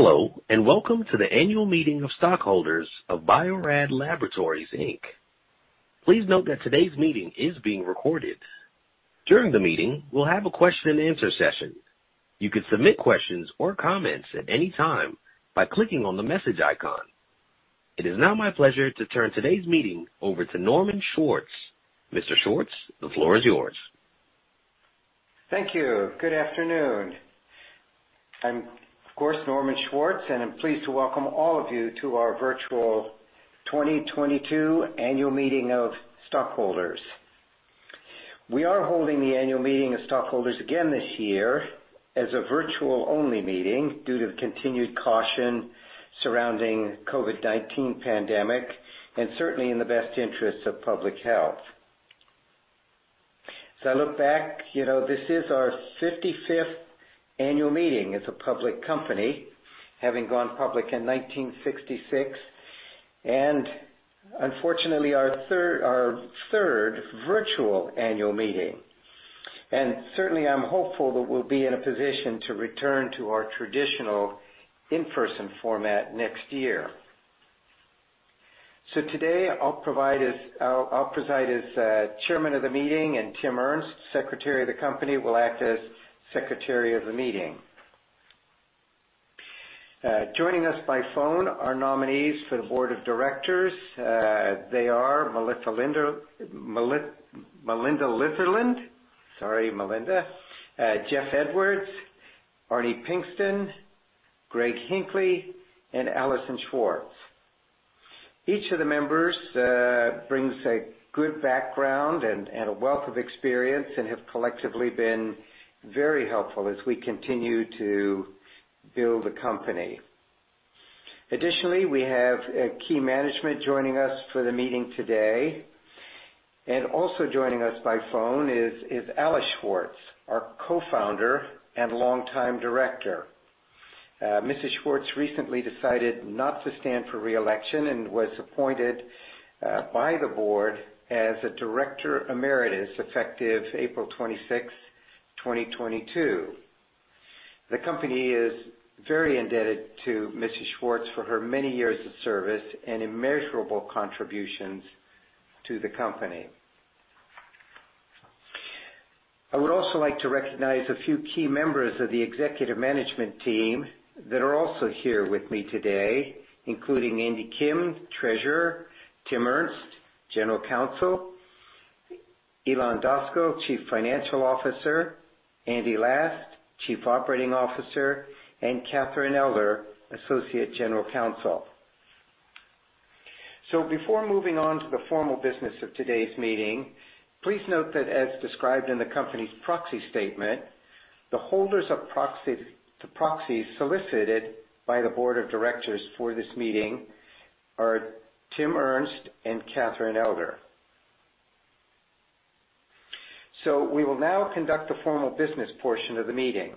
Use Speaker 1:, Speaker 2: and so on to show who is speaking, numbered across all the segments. Speaker 1: Hello, and welcome to the annual meeting of stockholders of Bio-Rad Laboratories, Inc. Please note that today's meeting is being recorded. During the meeting, we'll have a question and answer session. You can submit questions or comments at any time by clicking on the message icon. It is now my pleasure to turn today's meeting over to Norman Schwartz. Mr. Schwartz, the floor is yours.
Speaker 2: Thank you. Good afternoon. I'm, of course, Norman Schwartz, and I'm pleased to welcome all of you to our virtual 2022 annual meeting of stockholders. We are holding the annual meeting of stockholders again this year as a virtual-only meeting due to the continued caution surrounding COVID-19 pandemic and certainly in the best interest of public health. As I look back, you know, this is our 55th annual meeting as a public company, having gone public in 1966, and unfortunately our third virtual annual meeting. Certainly I'm hopeful that we'll be in a position to return to our traditional in-person format next year. Today I'll preside as chairman of the meeting, and Tim Ernst, Secretary of the company, will act as secretary of the meeting. Joining us by phone are nominees for the board of directors. They are Melinda Litherland. Sorry, Melinda. Jeff Edwards, Ardy Pinkston, Greg Hinckley, and Allison Schwartz. Each of the members brings a good background and a wealth of experience and have collectively been very helpful as we continue to build the company. Additionally, we have key management joining us for the meeting today, and also joining us by phone is Alice Schwartz, our Co-founder and longtime director. Mrs. Schwartz recently decided not to stand for re-election and was appointed by the board as a Director Emeritus effective April 26, 2022. The company is very indebted to Mrs. Schwartz for her many years of service and immeasurable contributions to the company. I would also like to recognize a few key members of the executive management team that are also here with me today, including Andy Kim, Treasurer, Tim Ernst, General Counsel, Ilan Daskal, Chief Financial Officer, Andy Last, Chief Operating Officer, and Catherine Elder, Associate General Counsel. Before moving on to the formal business of today's meeting, please note that as described in the company's proxy statement, the holders of proxy, the proxy solicited by the board of directors for this meeting are Tim Ernst and Catherine Elder. We will now conduct the formal business portion of the meeting.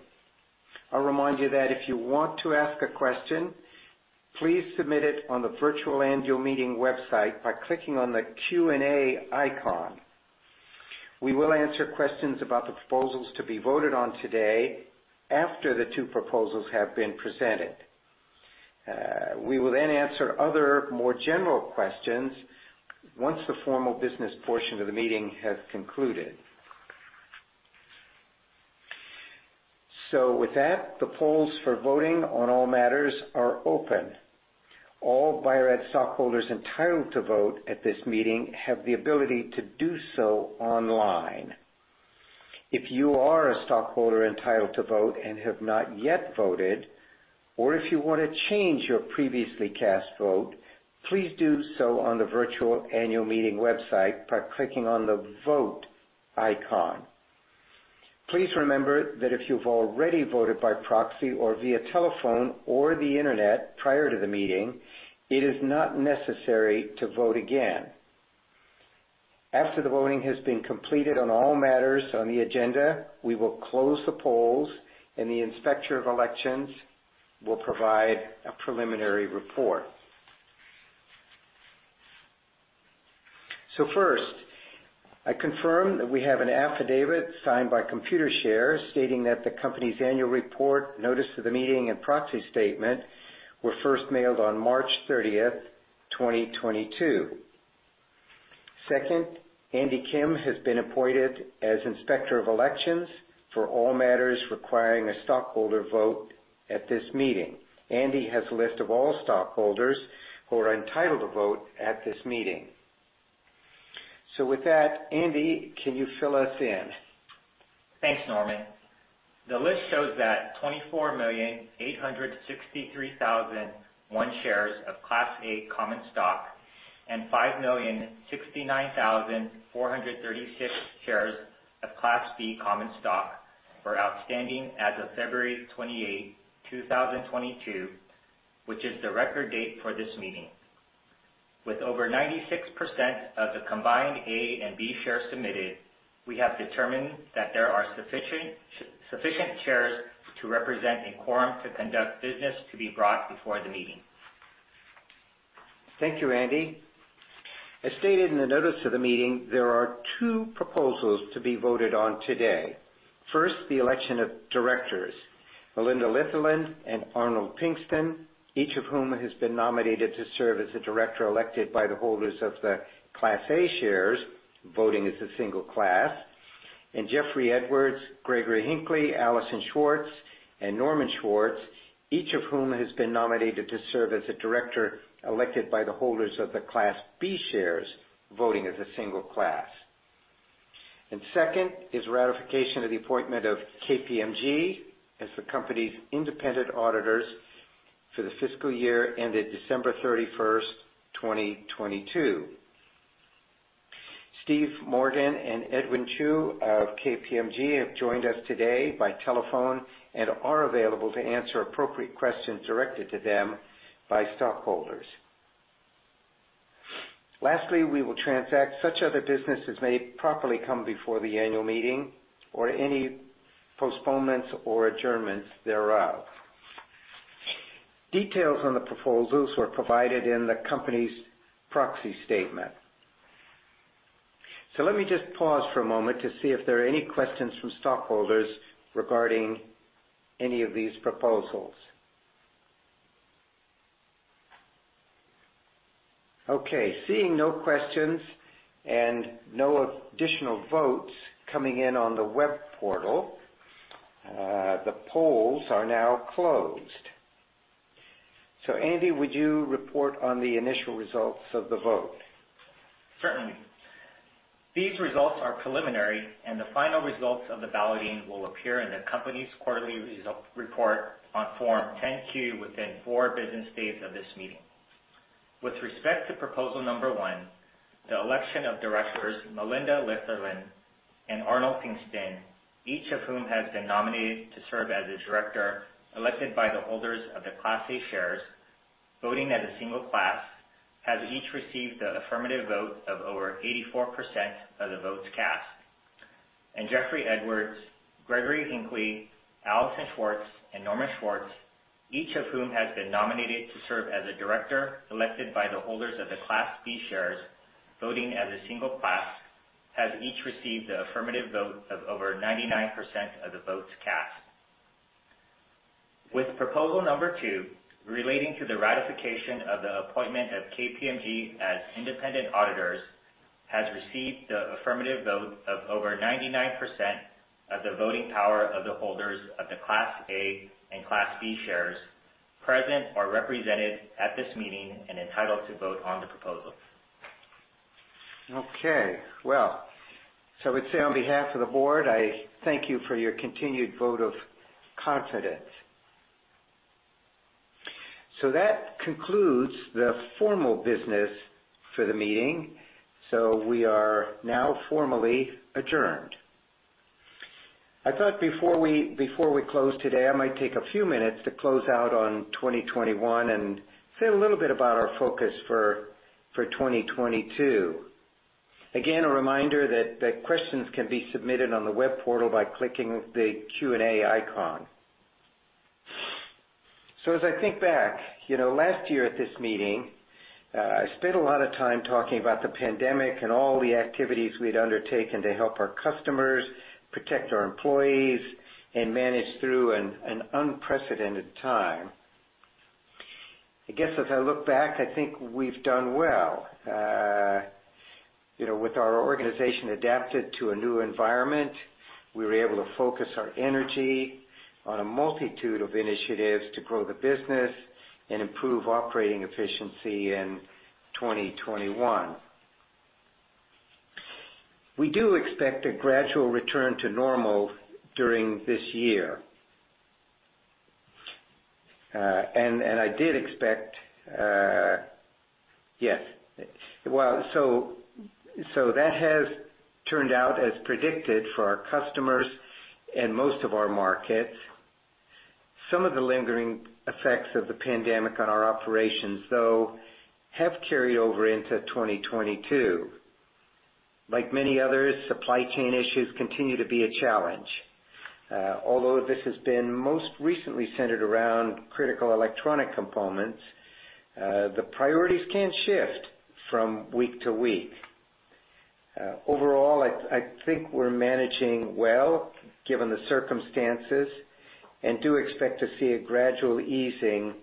Speaker 2: I'll remind you that if you want to ask a question, please submit it on the virtual annual meeting website by clicking on the Q&A icon. We will answer questions about the proposals to be voted on today after the two proposals have been presented. We will then answer other more general questions once the formal business portion of the meeting has concluded. With that, the polls for voting on all matters are open. All Bio-Rad stockholders entitled to vote at this meeting have the ability to do so online. If you are a stockholder entitled to vote and have not yet voted, or if you wanna change your previously cast vote, please do so on the virtual annual meeting website by clicking on the vote icon. Please remember that if you've already voted by proxy or via telephone or the internet prior to the meeting, it is not necessary to vote again. After the voting has been completed on all matters on the agenda, we will close the polls, and the Inspector of Elections will provide a preliminary report. First, I confirm that we have an affidavit signed by Computershare stating that the company's annual report, notice of the meeting, and proxy statement were first mailed on March 30th, 2022. Second, Andy Kim has been appointed as Inspector of Elections for all matters requiring a stockholder vote at this meeting. Andy has a list of all stockholders who are entitled to vote at this meeting. With that, Andy, can you fill us in?
Speaker 3: Thanks, Norman. The list shows that 24,863,001 shares of Class A Common Stock and 5,069,436 shares of Class B Common Stock were outstanding as of February 28, 2022, which is the record date for this meeting. With over 96% of the combined A and B shares submitted, we have determined that there are sufficient shares to represent a quorum to conduct business to be brought before the meeting.
Speaker 2: Thank you, Andy. As stated in the notice of the meeting, there are two proposals to be voted on today. First, the election of directors Melinda Litherland and Arnold Pinkston, each of whom has been nominated to serve as a director elected by the holders of the Class A shares, voting as a single class. Jeffrey Edwards, Gregory Hinckley, Allison Schwartz, and Norman Schwartz, each of whom has been nominated to serve as a director elected by the holders of the Class B shares, voting as a single class. Second is ratification of the appointment of KPMG as the company's independent auditors for the fiscal year ended December 31, 2022. Steve Morgan and Edward Chung of KPMG have joined us today by telephone and are available to answer appropriate questions directed to them by stockholders. Lastly, we will transact such other business as may properly come before the annual meeting or any postponements or adjournments thereof. Details on the proposals were provided in the company's proxy statement. Let me just pause for a moment to see if there are any questions from stockholders regarding any of these proposals. Okay, seeing no questions and no additional votes coming in on the web portal, the polls are now closed. Andy, would you report on the initial results of the vote?
Speaker 3: Certainly. These results are preliminary, and the final results of the balloting will appear in the company's quarterly report on Form 10-Q within four business days of this meeting. With respect to proposal number one, the election of directors Melinda Litherland and Arnold Pinkston, each of whom has been nominated to serve as a director elected by the holders of the Class A shares, voting as a single class, has each received an affirmative vote of over 84% of the votes cast. Jeffrey Edwards, Gregory Hinckley, Allison Schwartz, and Norman Schwartz, each of whom has been nominated to serve as a director elected by the holders of the Class B shares, voting as a single class, has each received an affirmative vote of over 99% of the votes cast. With proposal number two, relating to the ratification of the appointment of KPMG as independent auditors, has received the affirmative vote of over 99% of the voting power of the holders of the Class A and Class B shares present or represented at this meeting and entitled to vote on the proposal.
Speaker 2: Okay. Well, I would say on behalf of the board, I thank you for your continued vote of confidence. That concludes the formal business for the meeting, so we are now formally adjourned. I thought before we close today, I might take a few minutes to close out on 2021 and say a little bit about our focus for 2022. Again, a reminder that questions can be submitted on the web portal by clicking the Q&A icon. As I think back, you know, last year at this meeting, I spent a lot of time talking about the pandemic and all the activities we'd undertaken to help our customers, protect our employees, and manage through an unprecedented time. I guess as I look back, I think we've done well. You know, with our organization adapted to a new environment, we were able to focus our energy on a multitude of initiatives to grow the business and improve operating efficiency in 2021. We do expect a gradual return to normal during this year. That has turned out as predicted for our customers and most of our markets. Some of the lingering effects of the pandemic on our operations, though, have carried over into 2022. Like many others, supply chain issues continue to be a challenge. Although this has been most recently centered around critical electronic components, the priorities can shift from week to week. Overall, I think we're managing well, given the circumstances, and do expect to see a gradual easing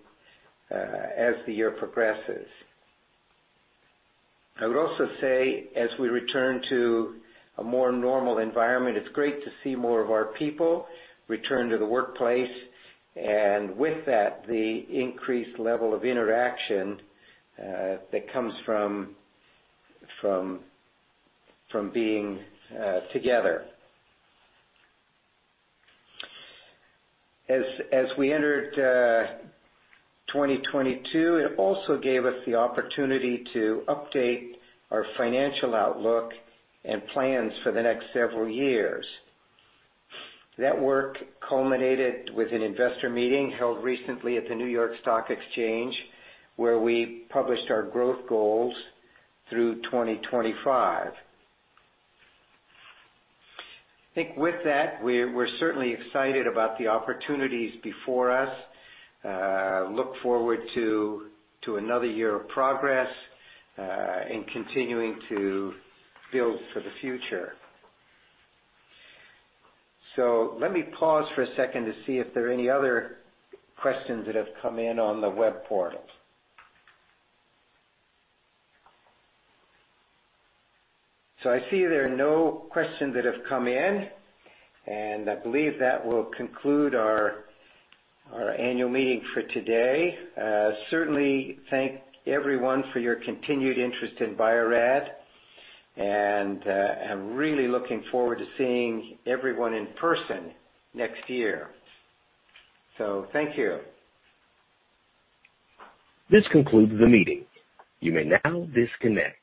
Speaker 2: as the year progresses. I would also say, as we return to a more normal environment, it's great to see more of our people return to the workplace, and with that, the increased level of interaction that comes from being together. As we entered 2022, it also gave us the opportunity to update our financial outlook and plans for the next several years. That work culminated with an investor meeting held recently at the New York Stock Exchange, where we published our growth goals through 2025. I think with that, we're certainly excited about the opportunities before us, look forward to another year of progress, and continuing to build for the future. Let me pause for a second to see if there are any other questions that have come in on the web portal. I see there are no questions that have come in, and I believe that will conclude our annual meeting for today. Certainly, thank everyone for your continued interest in Bio-Rad, and I'm really looking forward to seeing everyone in person next year. Thank you.
Speaker 1: This concludes the meeting. You may now disconnect.